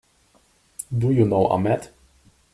Do you know Ahmed?